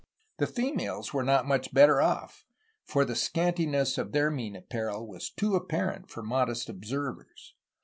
The females were not much better off; for the scantiness of their mean apparel was too apparent for modest observers.